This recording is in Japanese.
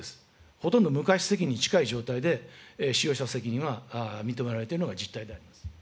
ほとんど無過失責任に近い状態で使用者責任は認められているのが実態であります。